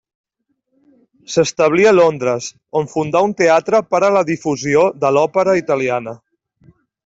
S'establí a Londres, on fundà un teatre per a la difusió de l'òpera italiana.